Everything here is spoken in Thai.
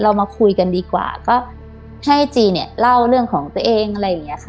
มาคุยกันดีกว่าก็ให้จีเนี่ยเล่าเรื่องของตัวเองอะไรอย่างเงี้ยค่ะ